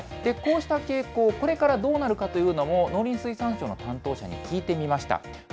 こうした傾向、これからどうなるかというのを、農林水産省の担当者に聞いてみました。